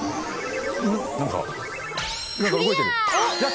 何か何か動いてる。